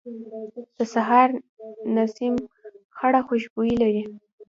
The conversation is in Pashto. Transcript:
د سهار نسیم خړه خوشبويي لري